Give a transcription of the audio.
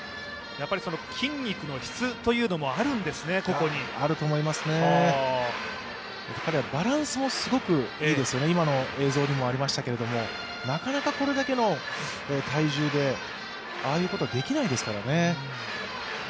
筋肉の質もあるんですね、個々にあると思いますね、彼はバランスもいいですよね、今の映像でもありましたけれども、なかなかこれだけの体重でああいうことはできないですからね。